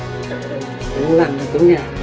cũng làm cho cái nhà